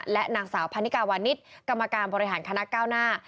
และหนังสาวพันธิกาวันนิษฐ์กรรมการบริหารคณะเก้าหน้า